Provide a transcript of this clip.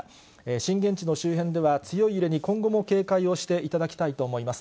震源地の周辺では、強い揺れに今後も警戒をしていただきたいと思います。